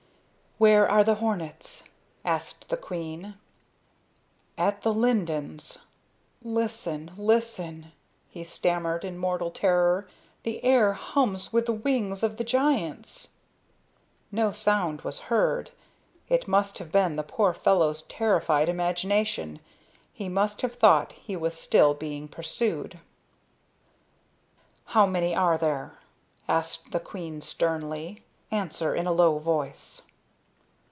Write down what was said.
"Where are the hornets?" asked the queen. "At the lindens! Listen, listen," he stammered in mortal terror, "the air hums with the wings of the giants." No sound was heard. It must have been the poor fellow's terrified imagination, he must have thought he was still being pursued. "How many are there?" asked the queen sternly. "Answer in a low voice."